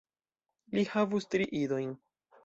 Li havus tri idojn.